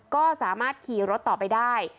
ก็สามารถขี่รถต่อไปได้